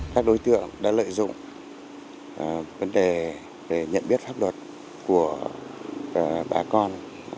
các đối tượng đã lợi dụng vấn đề nhận biết pháp luật của bà con